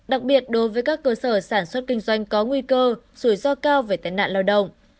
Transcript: đặc biệt đối với các cơ sở sản xuất kinh doanh có nguy cơ rủi ro cao về tai nạn lao động